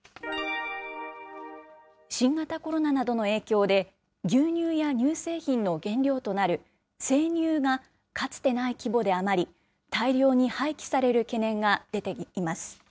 新型コロナなどの影響で、牛乳や乳製品の原料となる生乳が、かつてない規模で余り、大量に廃棄される懸念が出ています。